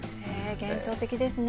幻想的ですね。